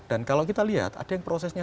dan kalau kita lihat ada yang prosesnya